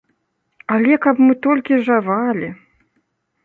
Але калі б мы толькі жавалі!